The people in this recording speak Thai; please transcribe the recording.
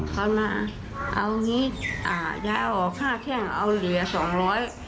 เขามาเอาอย่างนี้ยายเอาออก๕แท่งเอาเหรียญ๒๐๐